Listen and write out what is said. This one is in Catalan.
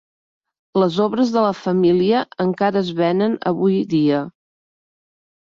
Les obres de la família encara es venen avui dia.